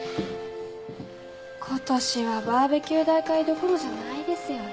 ことしはバーベキュー大会どころじゃないですよね。